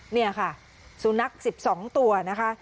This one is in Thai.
นี่ค่ะสุนัข๑๒ตัวนะคะ